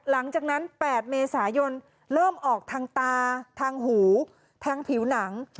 หลังจากนั้น๘เมษายนเริ่มออกทางตาทางหูทางผิวหนัง